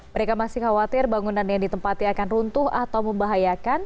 mereka masih khawatir bangunan yang ditempati akan runtuh atau membahayakan